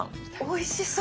おいしそう！